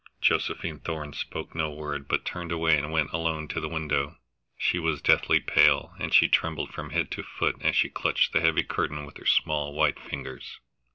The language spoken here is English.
Josephine Thorn spoke no word, but turned away and went alone to the window. She was deathly pale, and she trembled from head to foot as she clutched the heavy curtain with her small white fingers.